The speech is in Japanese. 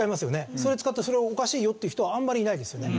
それ使って「それおかしいよ」っていう人はあんまりいないですよね。